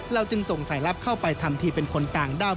จึงส่งสายลับเข้าไปทำทีเป็นคนต่างด้าว